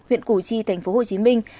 huyện củ chi thành phố hồ chí minh